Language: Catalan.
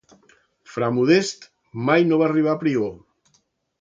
Fra Modest mai no va arribar a prior.